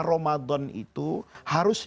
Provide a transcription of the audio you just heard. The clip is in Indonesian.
ramadan itu harus